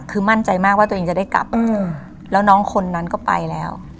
คือมั่นใจมากว่าตัวเองจะได้กลับแล้วน้องคนนั้นก็ไปแล้ว